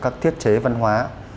các thiết chế văn hóa